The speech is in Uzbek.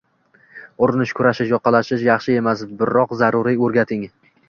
Urishish, kurashish, yoqalashish yaxshi emas, biroq zaruriy o'rgating.